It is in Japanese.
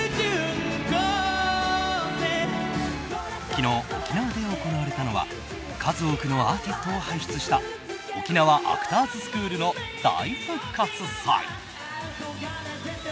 昨日、沖縄で行われたのは数多くのアーティストを輩出した沖縄アクターズスクールの大復活祭。